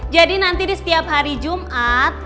jadi nanti di setiap hari jumat